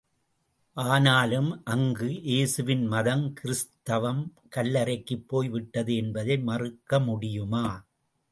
ஆனாலும், அங்கு ஏசுவின் மதம் கிறித்தவம் கல்லறைக்குப் போய் விட்டது என்பதை மறுக்கமுடியுமா?